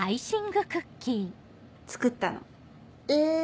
作ったの。え！